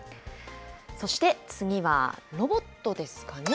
そして、次はロボットですかね。